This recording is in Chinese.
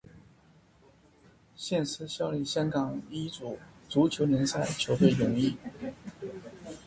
现时效力香港乙组足球联赛球队永义。